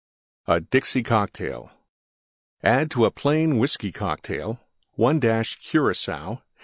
DIXIE COCKTAIL Add to a plain Whiskey Cocktail: 1 dash Curacoa.